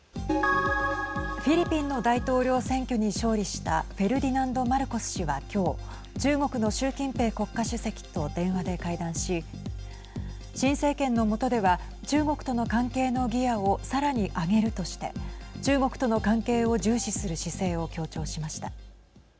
フィリピンの大統領選挙に勝利したフェルディナンド・マルコス氏はきょう中国の習近平国家主席と電話で会談し新政権のもとでは中国との関係のギアをさらに上げるとして中国との関係を重視する姿勢を強調しました。